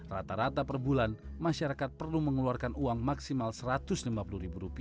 rata rata perbulan masyarakat harus menggunakan aliran listrik yang lebih stabil